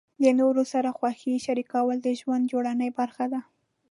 د نورو سره خوښۍ شریکول د ژوند جوړونې برخه ده.